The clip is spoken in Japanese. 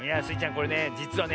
これねじつはね